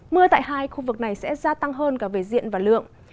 mưa tại hai khu vực này sẽ gia tăng hơn cả về diện và lượng